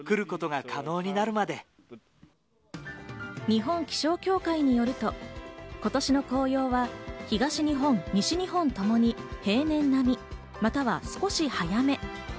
日本気象協会によると、今年の紅葉は東日本、西日本ともに平年並み、または少し早め。